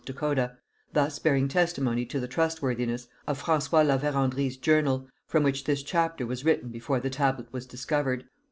Dakota, thus bearing testimony to the trustworthiness of François La Vérendrye's journal, from which this chapter was written before the tablet was discovered.